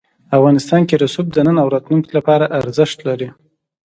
افغانستان کې رسوب د نن او راتلونکي لپاره ارزښت لري.